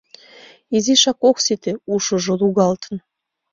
Изишак ок сите, ушыжо лугалтын.